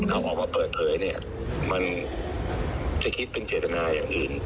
เอาออกมาเปิดเผยเนี่ยมันจะคิดเป็นเจตนาอย่างอื่น